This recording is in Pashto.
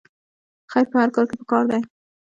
خیر په هر کار کې پکار دی